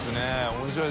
面白い。